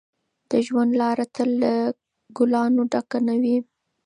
د ژوند لاره تل له ګلانو ډکه نه وي.